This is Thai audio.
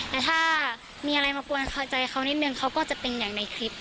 แต่ถ้ามีอะไรมากวนเข้าใจเขานิดนึงเขาก็จะเป็นอย่างในคลิป